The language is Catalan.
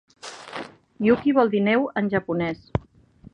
"Yuki" vol dir "neu" en japonès.